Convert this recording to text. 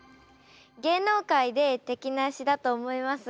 芸能界で敵なしだと思いますが。